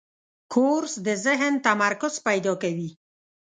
کورس د ذهن تمرکز پیدا کوي.